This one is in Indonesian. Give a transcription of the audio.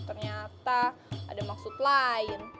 ternyata ada maksud lain